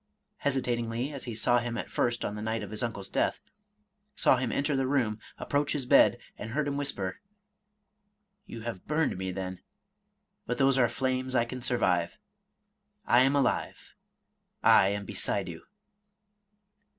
— hesitatingly as he saw him at first on the night of his uncle's death, — saw him enter the room, approach his bed, and heard him whisper, " You have burned me, then ; but those are flames I can survive. — I am alive, — I am beside you."